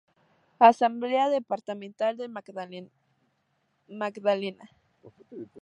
Asamblea Departamental del Magdalena.